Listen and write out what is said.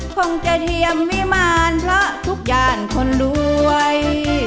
คงจะเทียมวิมารเพราะทุกอย่างคนรวย